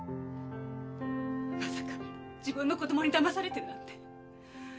まさか自分の子供にだまされてるなんて。